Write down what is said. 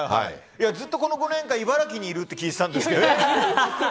ずっとこの５年間茨城にいるって聞いていたんですけどね。